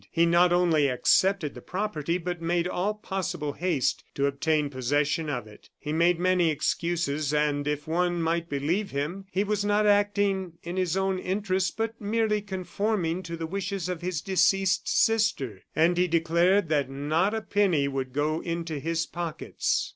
He not only accepted the property, but made all possible haste to obtain possession of it. He made many excuses; and, if one might believe him, he was not acting in his own interest, but merely conforming to the wishes of his deceased sister; and he declared that not a penny would go into his pockets.